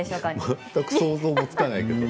全く想像つかないけれども。